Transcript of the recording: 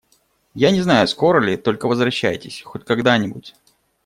Я не знаю, скоро ли, Только возвращайтесь… хоть когда-нибудь.